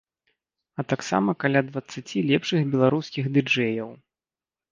А таксама каля дваццаці лепшых беларускіх ды-джэяў.